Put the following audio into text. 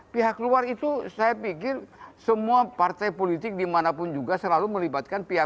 pihak luar itu saya pikir semua partai politik dimanapun juga selalu melibatkan pihak